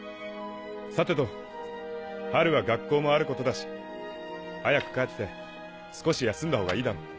さてとハルは学校もあることだし早く帰って少し休んだほうがいいだろう。